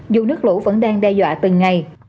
dù nước lũ vẫn đang đe dọa từng ngày